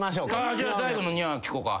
じゃあ大悟の「にゃー」聞こうか。